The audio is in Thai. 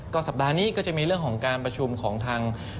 สัปดาห์นี้ก็จะมีเรื่องของการประชุมของทาง